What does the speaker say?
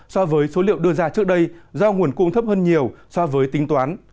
so với số liệu đưa ra trước đây do nguồn cung thấp hơn nhiều so với tính toán